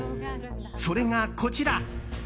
それが、こちら。